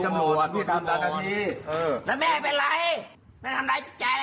แม่อยู่สาวใช้ก้าวเอามาให้